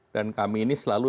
dan kami ini selalu